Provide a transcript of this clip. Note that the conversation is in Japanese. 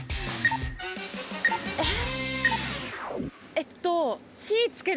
えっ！